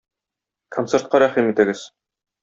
Концертка рәхим итегез!